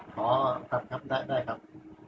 ขอครับครับได้ได้ครับ